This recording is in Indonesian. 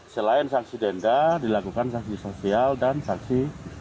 selain sanksi denda dilakukan sanksi sosial dan sanksi